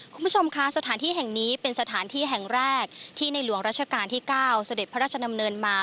คุณผู้ชมค่ะสถานที่แห่งนี้เป็นสถานที่แห่งแรกที่ในหลวงราชการที่๙เสด็จพระราชดำเนินมา